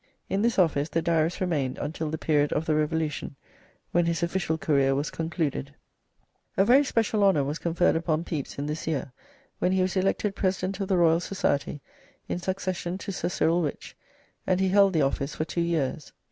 In this office the Diarist remained until the period of the Revolution, when his official career was concluded. A very special honour was conferred upon Pepys in this year, when he was elected President of the Royal Society in succession to Sir Cyril Wyche, and he held the office for two years.